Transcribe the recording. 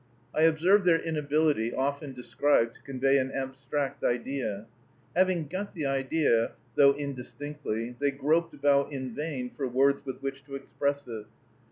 I observed their inability, often described, to convey an abstract idea. Having got the idea, though indistinctly, they groped about in vain for words with which to express it.